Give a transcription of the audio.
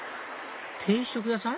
定食屋さん？